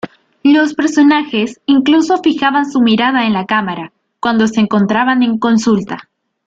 Los personajes incluso fijaban su mirada en la cámara cuando se encontraban en consulta.